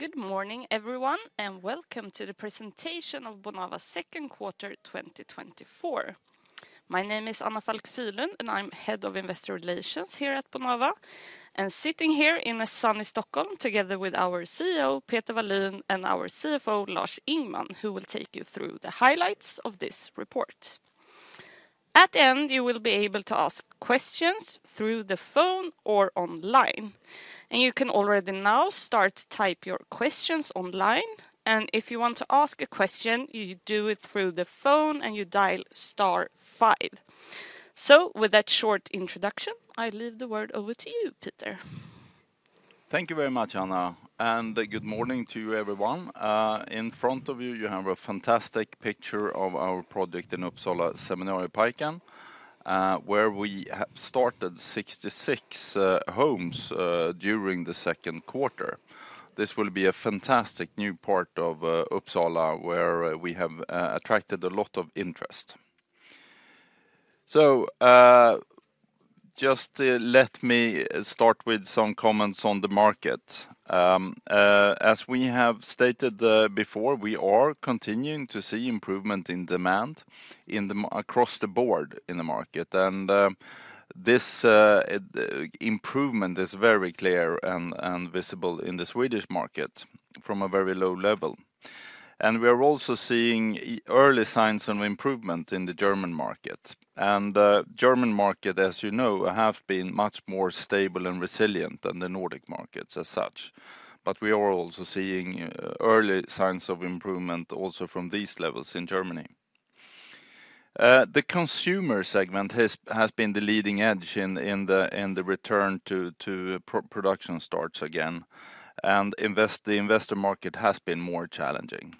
Good morning, everyone, and welcome to the presentation of Bonava's second quarter 2024. My name is Anna Falck Fyhrlund, and I'm head of investor relations here at Bonava. I'm sitting here in a sunny Stockholm together with our CEO, Peter Wallin, and our CFO, Lars Ingman, who will take you through the highlights of this report. At the end, you will be able to ask questions through the phone or online. You can already now start to type your questions online. If you want to ask a question, you do it through the phone, and you dial star five. So, with that short introduction, I leave the word over to you, Peter. Thank you very much, Anna, and good morning to everyone. In front of you, you have a fantastic picture of our project in Uppsala, Seminarieparken, where we started 66 homes during the second quarter. This will be a fantastic new part of Uppsala where we have attracted a lot of interest. Just let me start with some comments on the market. As we have stated before, we are continuing to see improvement in demand across the board in the market. This improvement is very clear and visible in the Swedish market from a very low level. We are also seeing early signs of improvement in the German market. The German market, as you know, has been much more stable and resilient than the Nordic markets as such. We are also seeing early signs of improvement also from these levels in Germany. The consumer segment has been the leading edge in the return to production starts again. The investor market has been more challenging.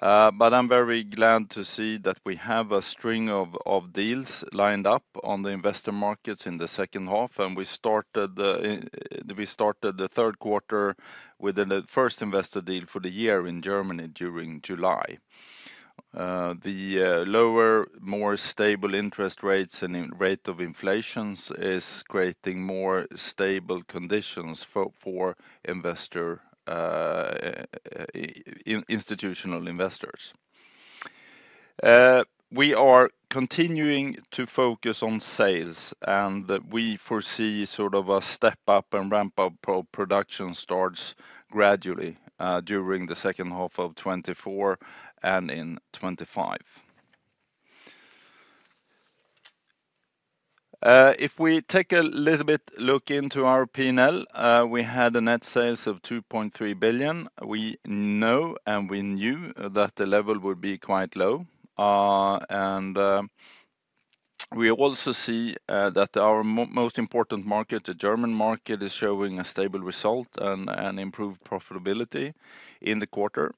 But I'm very glad to see that we have a string of deals lined up on the investor markets in the second half. We started the third quarter with the first investor deal for the year in Germany during July. The lower, more stable interest rates and rate of inflation are creating more stable conditions for institutional investors. We are continuing to focus on sales, and we foresee sort of a step up and ramp up of production starts gradually during the second half of 2024 and in 2025. If we take a little bit look into our P&L, we had a net sales of 2.3 billion. We know and we knew that the level would be quite low. We also see that our most important market, the German market, is showing a stable result and improved profitability in the quarter.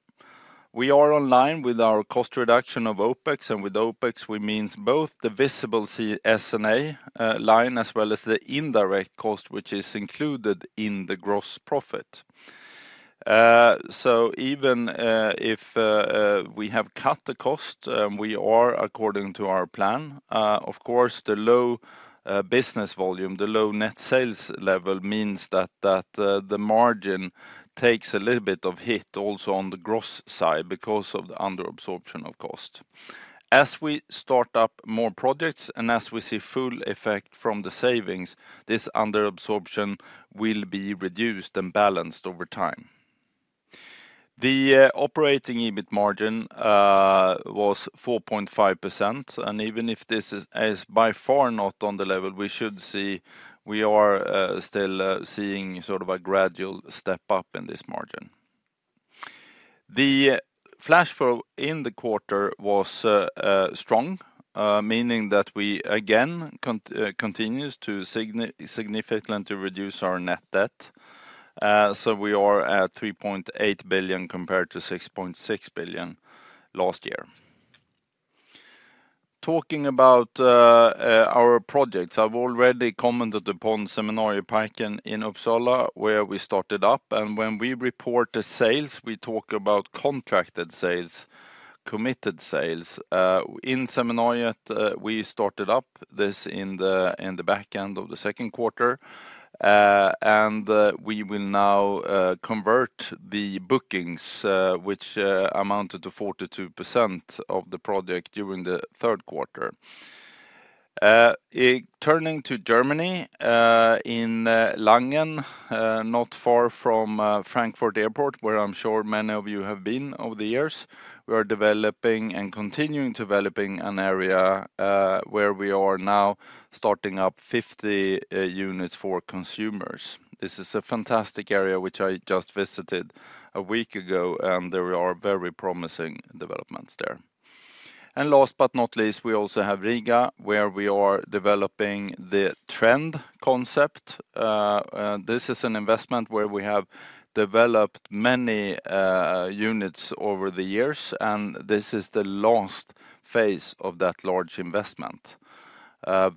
We are aligned with our cost reduction of OPEX, and with OPEX, we mean both the visible S&A line as well as the indirect cost, which is included in the gross profit. So, even if we have cut the cost, we are, according to our plan, of course, the low business volume, the low net sales level means that the margin takes a little bit of hit also on the gross side because of the underabsorption of cost. As we start up more projects and as we see full effect from the savings, this underabsorption will be reduced and balanced over time. The operating EBIT margin was 4.5%, and even if this is by far not on the level we should see, we are still seeing sort of a gradual step up in this margin. The cash flow in the quarter was strong, meaning that we again continued to significantly reduce our net debt. We are at 3.8 billion compared to 6.6 billion last year. Talking about our projects, I've already commented upon Seminarieparken in Uppsala where we started up. When we report the sales, we talk about contracted sales, committed sales. In Seminarieparken, we started up this in the back end of the second quarter. We will now convert the bookings, which amounted to 42% of the project during the third quarter. Turning to Germany, in Langen, not far from Frankfurt Airport, where I'm sure many of you have been over the years, we are developing and continuing to develop an area where we are now starting up 50 units for consumers. This is a fantastic area, which I just visited a week ago, and there are very promising developments there. Last but not least, we also have Riga, where we are developing the Trend concept. This is an investment where we have developed many units over the years, and this is the last phase of that large investment.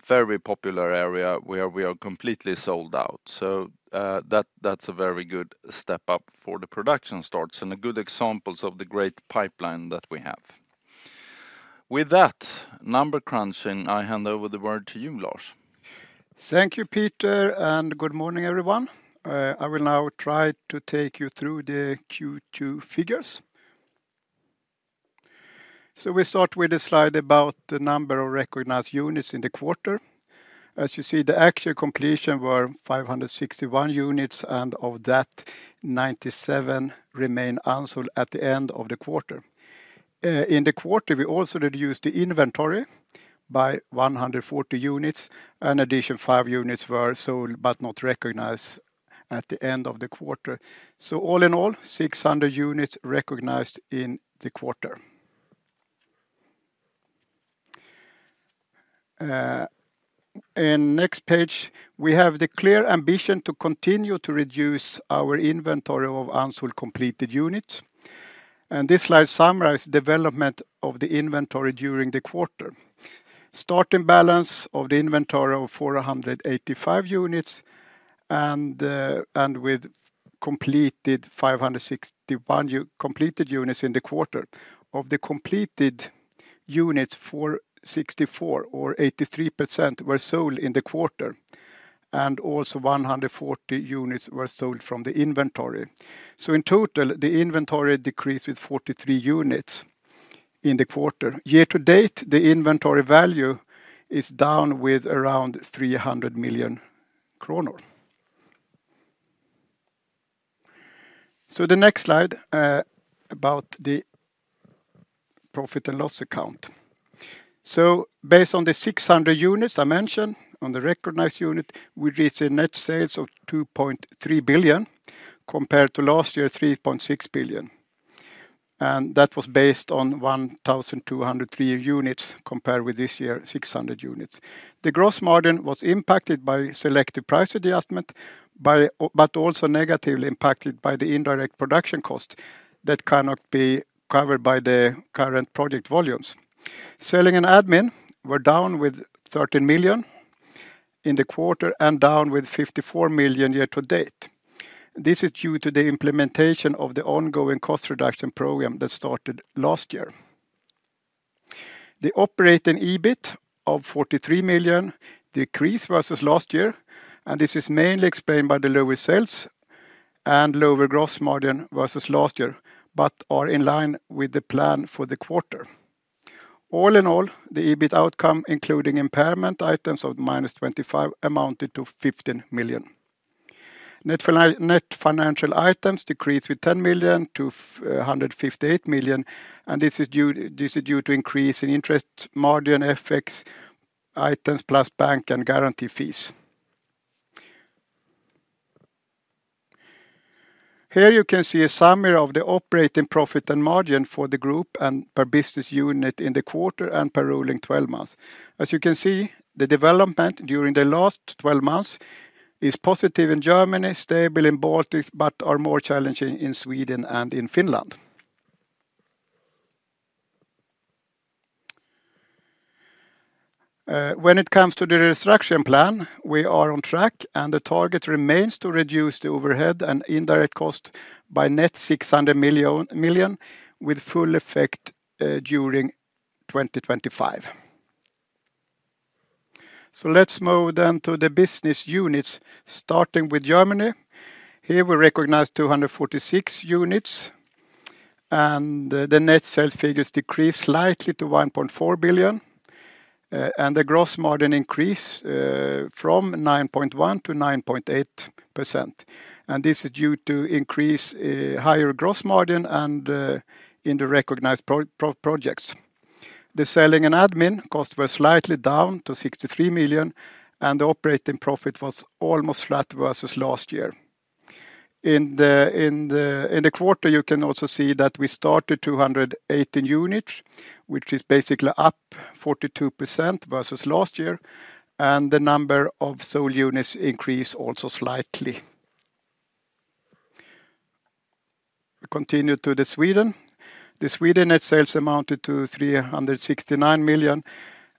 Very popular area where we are completely sold out. So, that's a very good step up for the production starts and a good example of the great pipeline that we have. With that number crunching, I hand over the word to you, Lars. Thank you, Peter, and good morning, everyone. I will now try to take you through the Q2 figures. We start with a slide about the number of recognized units in the quarter. As you see, the actual completion were 561 units, and of that, 97 remain unsold at the end of the quarter. In the quarter, we also reduced the inventory by 140 units. An additional 5 units were sold but not recognized at the end of the quarter. All in all, 600 units recognized in the quarter. Next page, we have the clear ambition to continue to reduce our inventory of unsold completed units. This slide summarizes the development of the inventory during the quarter. Starting balance of the inventory of 485 units and with completed 561 units in the quarter. Of the completed units, 64 or 83% were sold in the quarter, and also 140 units were sold from the inventory. So, in total, the inventory decreased with 43 units in the quarter. Year to date, the inventory value is down with around 300 million kronor. So, the next slide about the profit and loss account. So, based on the 600 units I mentioned on the recognized units, we reached a net sales of 2.3 billion compared to last year, 3.6 billion. And that was based on 1,203 units compared with this year, 600 units. The gross margin was impacted by selective price adjustment, but also negatively impacted by the indirect production cost that cannot be covered by the current project volumes. Selling and admin were down with 13 million in the quarter and down with 54 million year to date. This is due to the implementation of the ongoing cost reduction program that started last year. The operating EBIT of 43 million decreased versus last year, and this is mainly explained by the lower sales and lower gross margin versus last year, but are in line with the plan for the quarter. All in all, the EBIT outcome, including impairment items of -25, amounted to 15 million. Net financial items decreased with 10 million to 158 million, and this is due to increase in interest margin effects items plus bank and guarantee fees. Here you can see a summary of the operating profit and margin for the group and per business unit in the quarter and per rolling 12 months. As you can see, the development during the last 12 months is positive in Germany, stable in Baltics, but are more challenging in Sweden and in Finland. When it comes to the restructuring plan, we are on track, and the target remains to reduce the overhead and indirect cost by 600 million with full effect during 2025. Let's move then to the business units, starting with Germany. Here we recognize 246 units, and the net sales figures decreased slightly to 1.4 billion, and the gross margin increased from 9.1%-9.8%. And this is due to increased higher gross margin and in the recognized projects. The selling and admin cost were slightly down to 63 million, and the operating profit was almost flat versus last year. In the quarter, you can also see that we started 218 units, which is basically up 42% versus last year, and the number of sold units increased also slightly. We continue to Sweden. The Sweden net sales amounted to 369 million,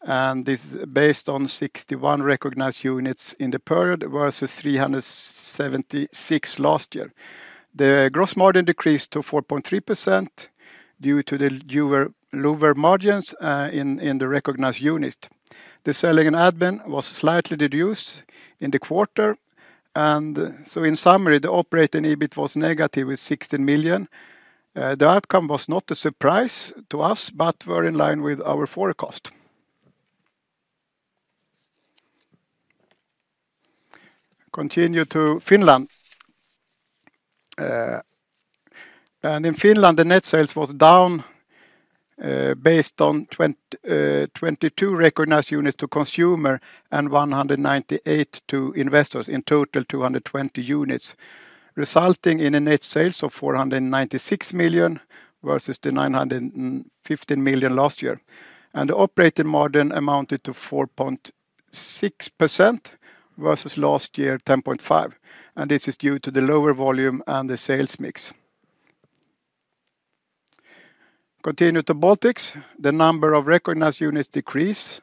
and this is based on 61 recognized units in the period versus 376 last year. The gross margin decreased to 4.3% due to the lower margins in the recognized unit. The selling and admin was slightly reduced in the quarter. And so, in summary, the operating EBIT was negative with 16 million. The outcome was not a surprise to us, but were in line with our forecast. Continue to Finland. And in Finland, the net sales was down based on 22 recognized units to consumer and 198 to investors in total 220 units, resulting in a net sales of 496 million versus the 915 million last year. And the operating margin amounted to 4.6% versus last year 10.5%. And this is due to the lower volume and the sales mix. Continue to Baltics. The number of recognized units decreased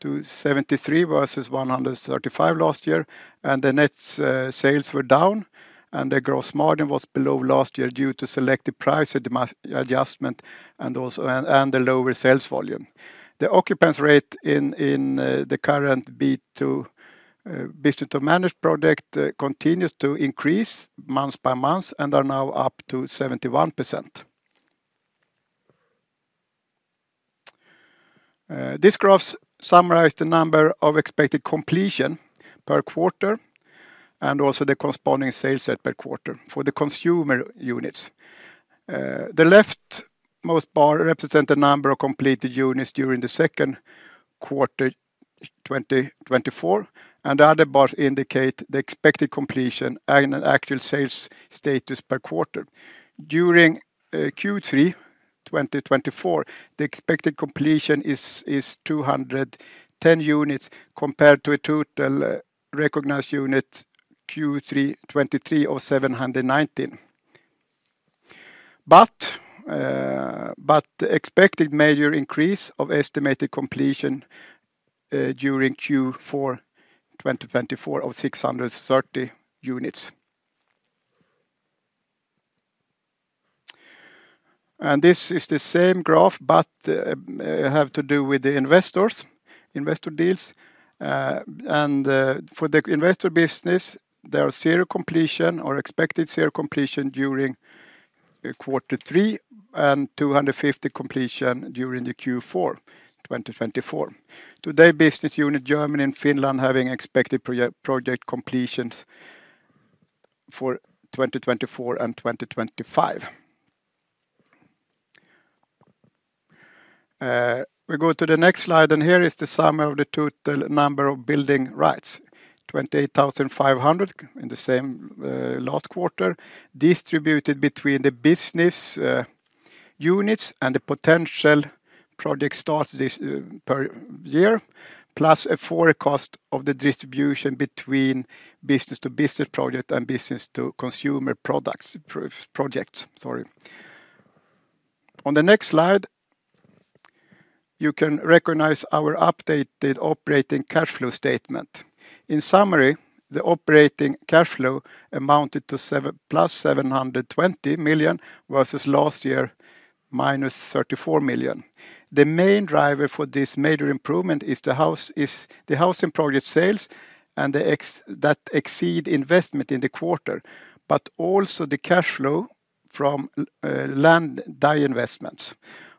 to 73 versus 135 last year, and the net sales were down, and the gross margin was below last year due to selective price adjustment and also the lower sales volume. The occupancy rate in the current Build-to-Manage project continues to increase month by month and are now up to 71%. This graph summarizes the number of expected completion per quarter and also the corresponding sales per quarter for the consumer units. The leftmost bar represents the number of completed units during the second quarter 2024, and the other bars indicate the expected completion and actual sales status per quarter. During Q3 2024, the expected completion is 210 units compared to a total recognized unit Q3 2023 of 719. But the expected major increase of estimated completion during Q4 2024 of 630 units. This is the same graph, but I have to do with the investors, investor deals. For the investor business, there are zero completion or expected zero completion during quarter three and 250 completions during the Q4 2024. Today, business unit Germany and Finland having expected project completions for 2024 and 2025. We go to the next slide, and here is the summary of the total number of building rights, 28,500 in the same last quarter, distributed between the business units and the potential project starts per year, plus a forecast of the distribution between business to business project and business to consumer products projects. Sorry. On the next slide, you can recognize our updated operating cash flow statement. In summary, the operating cash flow amounted to +720 million versus last year -34 million. The main driver for this major improvement is the housing project sales that exceed investments in the quarter, but also the cash flow from land buy investments.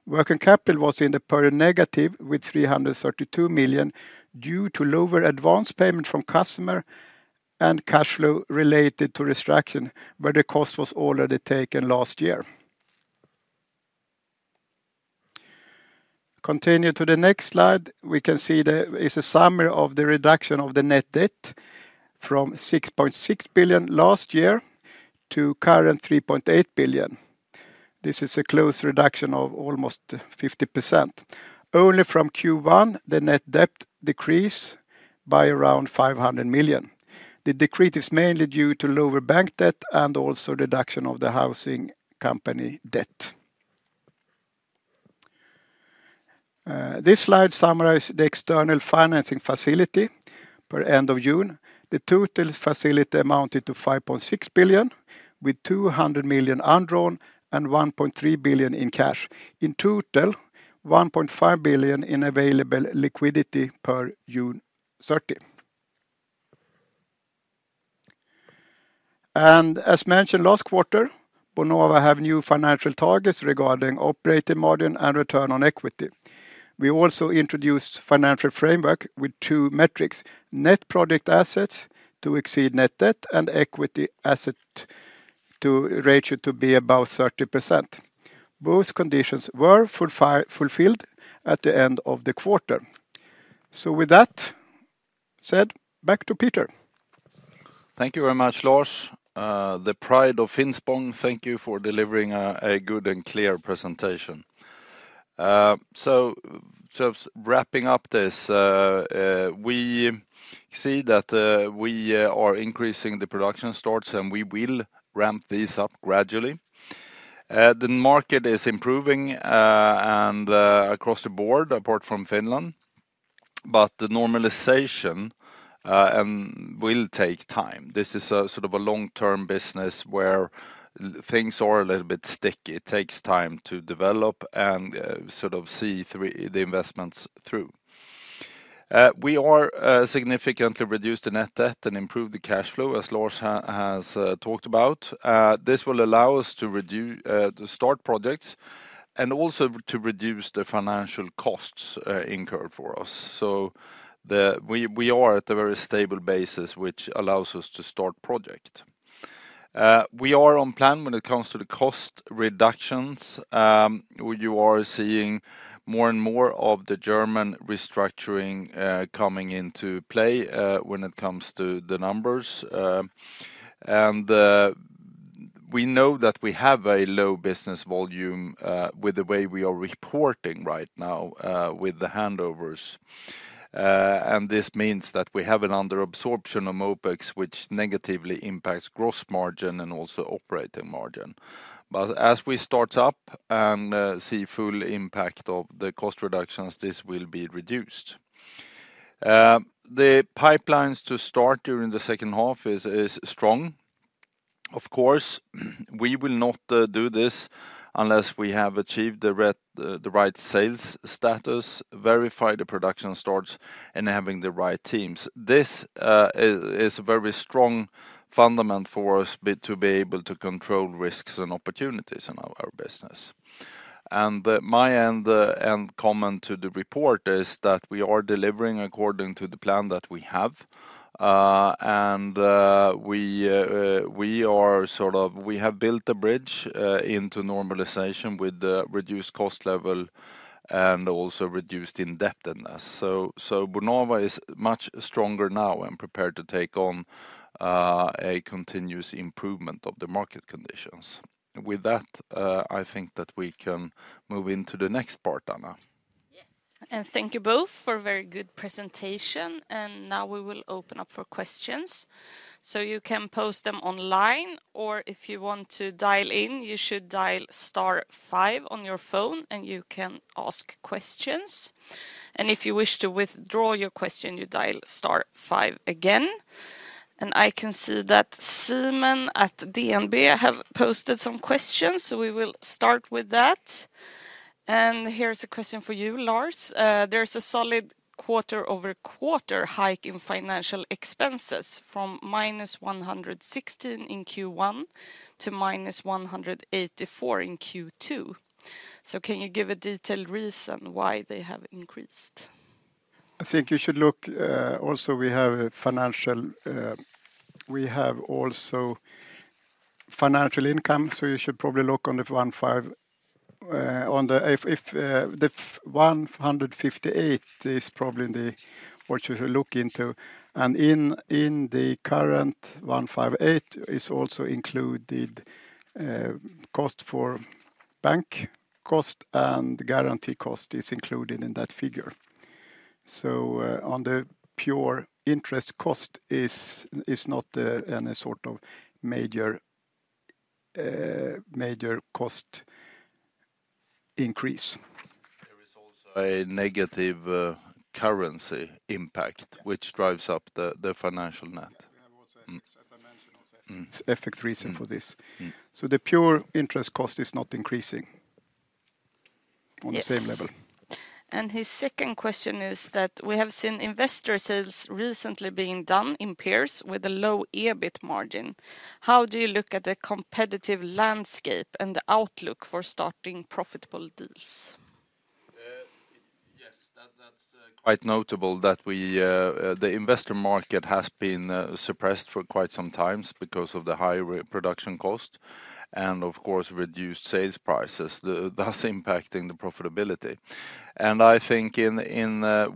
Working capital was in the red, negative 332 million due to lower advance payments from customers and cash flow related to restructuring, where the cost was already taken last year. Continue to the next slide. We can see there is a summary of the reduction of the net debt from 6.6 billion last year to the current 3.8 billion. This is a clear reduction of almost 50%. Only from Q1, the net debt decreased by around 500 million. The decrease is mainly due to lower bank debt and also reduction of the housing company debt. This slide summarizes the external financing facility per end of June. The total facility amounted to 5.6 billion with 200 million undrawn and 1.3 billion in cash. In total, 1.5 billion in available liquidity per June 30. As mentioned last quarter, Bonava have new financial targets regarding operating margin and return on equity. We also introduced financial framework with two metrics, net project assets to exceed net debt and equity-to-assets ratio to be about 30%. Both conditions were fulfilled at the end of the quarter. So with that said, back to Peter. Thank you very much, Lars. The pride of Finspång, thank you for delivering a good and clear presentation. So wrapping up this, we see that we are increasing the production starts and we will ramp these up gradually. The market is improving across the board, apart from Finland, but the normalization will take time. This is a sort of a long-term business where things are a little bit sticky. It takes time to develop and sort of see the investments through. We are significantly reduced the net debt and improved the cash flow, as Lars has talked about. This will allow us to start projects and also to reduce the financial costs incurred for us. So we are at a very stable basis, which allows us to start projects. We are on plan when it comes to the cost reductions. You are seeing more and more of the German restructuring coming into play when it comes to the numbers. We know that we have a low business volume with the way we are reporting right now with the handovers. This means that we have an under-absorption of OPEX, which negatively impacts gross margin and also operating margin. But as we start up and see full impact of the cost reductions, this will be reduced. The pipelines to start during the second half is strong. Of course, we will not do this unless we have achieved the right sales status, verified the production starts, and having the right teams. This is a very strong foundation for us to be able to control risks and opportunities in our business. My final comment to the report is that we are delivering according to the plan that we have. And we are sort of, we have built a bridge into normalization with the reduced cost level and also reduced indebtedness. So Bonava is much stronger now and prepared to take on a continuous improvement of the market conditions. With that, I think that we can move into the next part, Anna. Yes. Thank you both for a very good presentation. Now we will open up for questions. You can post them online, or if you want to dial in, you should dial star five on your phone and you can ask questions. If you wish to withdraw your question, you dial star five again. I can see that Simen at DNB have posted some questions, so we will start with that. Here's a question for you, Lars. There's a solid quarter-over-quarter hike in financial expenses from -116 SEK in Q1 to -184 SEK in Q2. Can you give a detailed reason why they have increased? I think you should look also. We have financial, we have also financial income, so you should probably look on the 15, on the if the 158 is probably the what you should look into. In the current 158 is also included cost for bank cost and guarantee cost is included in that figure. So the pure interest cost is not a sort of major cost increase. There is also a negative currency impact, which drives up the financial net. It's an effect, reason for this. The pure interest cost is not increasing on the same level. His second question is that we have seen investor sales recently being done in pairs with a low EBIT margin. How do you look at the competitive landscape and the outlook for starting profitable deals? Yes, that's quite notable that the investor market has been suppressed for quite some times because of the high production cost and of course reduced sales prices. That's impacting the profitability. I think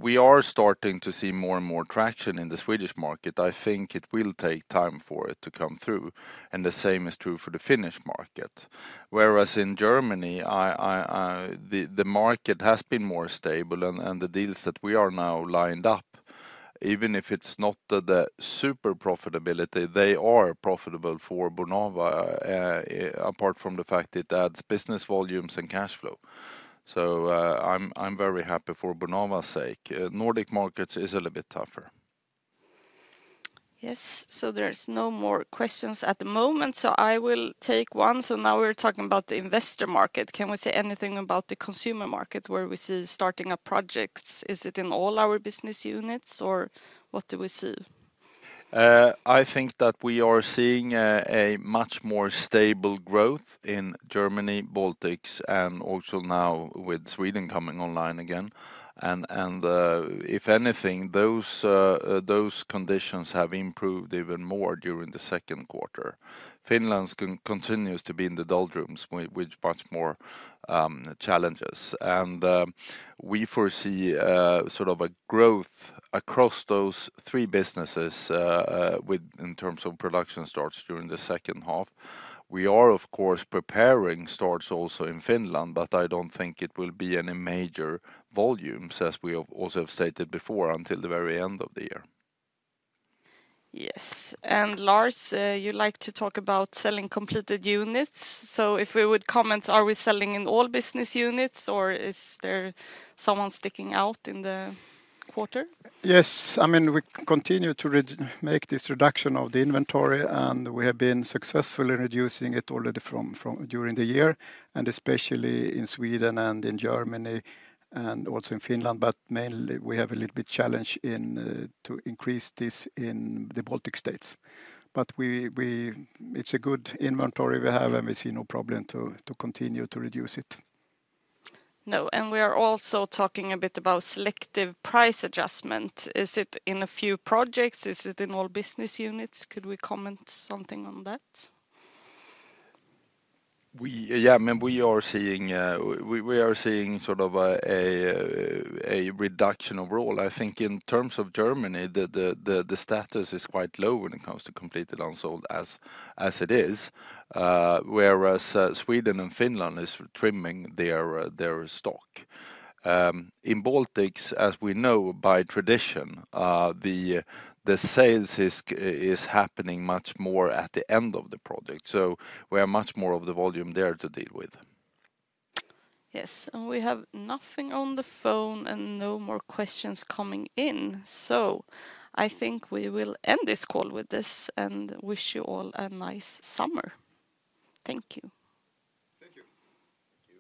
we are starting to see more and more traction in the Swedish market. I think it will take time for it to come through. The same is true for the Finnish market. Whereas in Germany, the market has been more stable and the deals that we are now lined up, even if it's not the super profitability, they are profitable for Bonava, apart from the fact it adds business volumes and cash flow. I'm very happy for Bonava's sake. Nordic markets is a little bit tougher. Yes, so there's no more questions at the moment, so I will take one. So now we're talking about the investor market. Can we say anything about the consumer market where we see starting up projects? Is it in all our business units or what do we see? I think that we are seeing a much more stable growth in Germany, Baltics, and also now with Sweden coming online again. If anything, those conditions have improved even more during the second quarter. Finland continues to be in the doldrums with much more challenges. We foresee sort of a growth across those three businesses in terms of production starts during the second half. We are of course preparing starts also in Finland, but I don't think it will be any major volumes, as we also have stated before, until the very end of the year. Yes. And Lars, you like to talk about selling completed units. So if we would comment, are we selling in all business units or is there someone sticking out in the quarter? Yes. I mean, we continue to make this reduction of the inventory and we have been successfully reducing it already during the year, and especially in Sweden and in Germany and also in Finland, but mainly we have a little bit challenge to increase this in the Baltic states. But it's a good inventory we have and we see no problem to continue to reduce it. No. We are also talking a bit about selective price adjustment. Is it in a few projects? Is it in all business units? Could we comment something on that? Yeah, I mean, we are seeing sort of a reduction overall. I think in terms of Germany, the status is quite low when it comes to completed unsold as it is, whereas Sweden and Finland are trimming their stock. In Baltics, as we know by tradition, the sales is happening much more at the end of the project. So we have much more of the volume there to deal with. Yes. We have nothing on the phone and no more questions coming in. I think we will end this call with this and wish you all a nice summer. Thank you. Thank you.